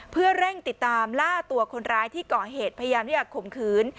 เพื่อเร่งติดตามล่าตัวคนร้ายที่ก่อเหตุพยายามที่จะข่มขืน